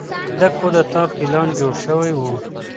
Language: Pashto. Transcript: د کودتا پلان جوړ شوی و.